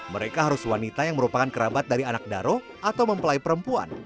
mereka harus wanita yang merupakan kerabat dari anak daro atau mempelai perempuan